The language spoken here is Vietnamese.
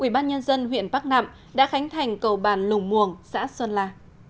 ubnd huyện bắc nạm đã khánh thành cầu bàn lùng muồng xã xuân la